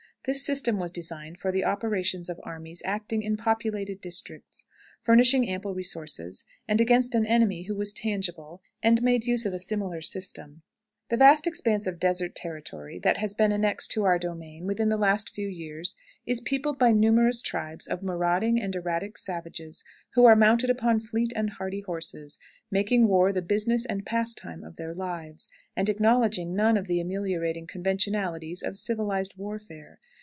This system was designed for the operations of armies acting in populated districts, furnishing ample resources, and against an enemy who was tangible, and made use of a similar system. The vast expanse of desert territory that has been annexed to our domain within the last few years is peopled by numerous tribes of marauding and erratic savages, who are mounted upon fleet and hardy horses, making war the business and pastime of their lives, and acknowledging none of the ameliorating conventionalities of civilized warfare.